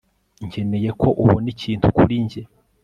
nkeneye ko ubona ikintu kuri njye